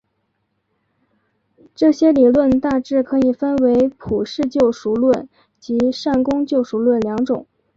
这些理论大致可以分为普世救赎论及善功救赎论两种。